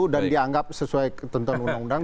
dan dianggap sesuai ketentuan undang undang